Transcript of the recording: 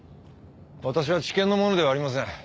私は地検の者ではありません。